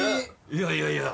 いやいやいや。